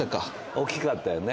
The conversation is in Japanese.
大きかったよね。